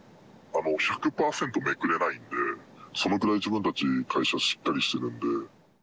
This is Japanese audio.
１００％めくれないんで、そのくらい自分たち、会社しっかりしてるので。